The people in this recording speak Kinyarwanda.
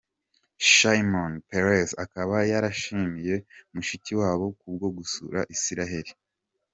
Shimon Peres akaba yarashimiye Mushikiwabo ku bwo gusura Isiraheli.